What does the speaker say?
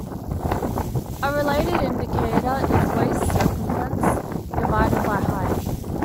A related indicator is waist circumference divided by height.